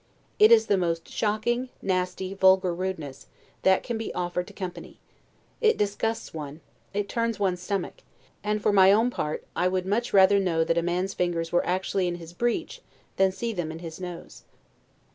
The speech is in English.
It is the most shocking, nasty, vulgar rudeness, that can be offered to company; it disgusts one, it turns one's stomach; and, for my own part, I would much rather know that a man's fingers were actually in his breech, than see them in his nose.